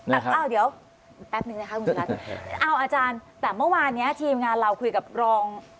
อ้าวเดี๋ยวแป๊บนึงนะคะคุณสุรัตน์เอาอาจารย์แต่เมื่อวานเนี้ยทีมงานเราคุยกับรอง